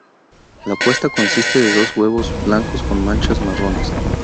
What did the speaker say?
La puesta consiste de dos huevos blancos con manchas marrones.